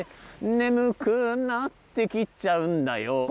「眠くなってきちゃうんだよ」